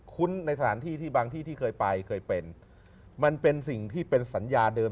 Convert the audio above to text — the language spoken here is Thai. ุ้นในสถานที่ที่บางที่ที่เคยไปเคยเป็นมันเป็นสิ่งที่เป็นสัญญาเดิม